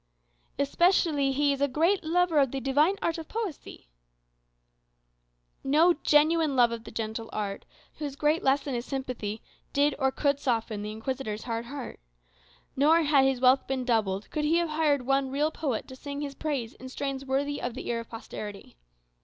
"Especially he is a great lover of the divine art of poesy." No genuine love of the gentle art, whose great lesson is sympathy, did or could soften the Inquisitor's hard heart. Nor, had his wealth been doubled, could he have hired one real poet to sing his praise in strains worthy the ear of posterity.